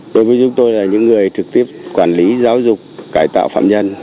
đối với chúng tôi là những người trực tiếp quản lý giáo dục cải tạo phạm nhân